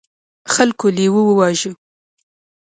خلکو لیوه وواژه.